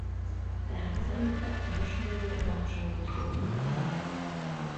Tehát szerinte a hasonló a hasonlót gyógyítja.